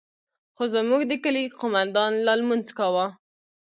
خو زموږ د كلي قومندان لا لمونځ كاوه.